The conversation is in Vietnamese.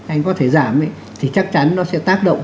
anh có thể giảm thì chắc chắn nó sẽ tác động